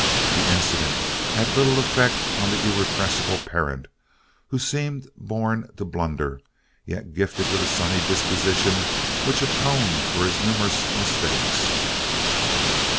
The incident had little effect on the irrepressible Parent, who seemed born to blunder, yet gifted with a sunny disposition which atoned for his numerous mistakes.